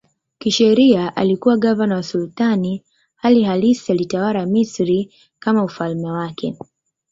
Kisheria alikuwa gavana wa sultani, hali halisi alitawala Misri kama ufalme wake.